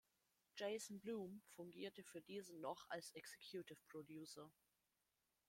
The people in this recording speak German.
Jason Blum fungierte für diesen noch als Executive Producer.